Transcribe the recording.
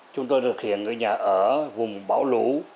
chúng tôi thực hiện ở nhà ở vùng bão lũ